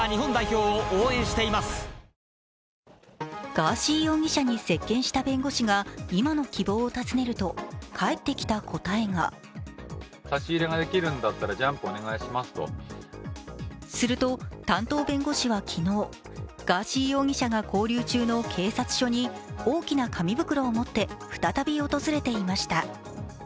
ガーシー容疑者に接見した弁護士がすると、担当弁護士は昨日ガーシー容疑者が勾留中の警察署に大きな紙袋を持って再び訪れていました。